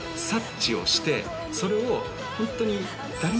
それをホントに。